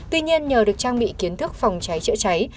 tuy nhiên nhờ được trang bị kiến thức phòng cháy chữa cháy